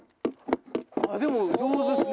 でも上手ですね。